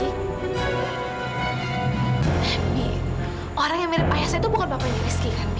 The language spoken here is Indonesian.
bibi orang yang mirip ayah saya itu bukan papanya rizky kan bi